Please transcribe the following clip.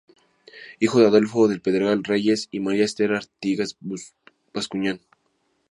Hijo de Adolfo del Pedregal Reyes y María Ester Artigas Bascuñán.